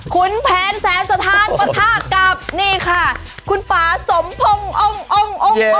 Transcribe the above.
คุณแผนแสนสธานปะท่ากับนี่ค่ะคุณป่าสมพงอง